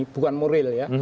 bukan moral ya